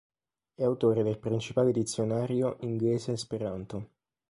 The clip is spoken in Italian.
È autore del principale dizionario inglese-esperanto.